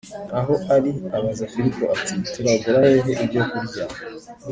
aho ari abaza Filipo ati Turagura hehe ibyokurya